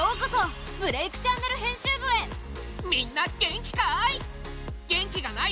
みんな元気かい？